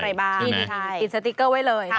กินสติกเกอร์ไว้เลย